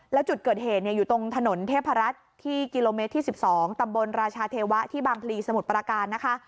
แล้วจุดเกิดเหตุอยู่ตรงถนนเทพรัฐที่กิโลเมตรที่๑๒ตำบลราชาเทวะที่บางพลีสมุทรประการนะคะ